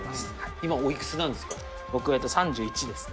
今おいくつなんですか？